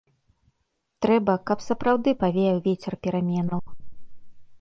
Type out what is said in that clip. Трэба, каб сапраўды павеяў вецер пераменаў.